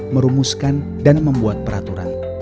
merumuskan dan membuat peraturan